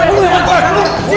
ini rumah sakit